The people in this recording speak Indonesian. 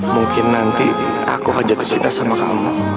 mungkin nanti aku aja tersinta sama kamu